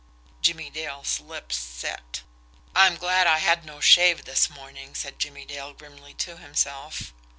Jimmie Dale's lips set. "I'm glad I had no shave this morning," said Jimmie Dale grimly to himself.